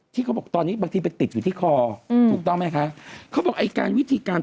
ที่ตอนนี้เขาจะตรวจในคอถูกต้องไหมฮะ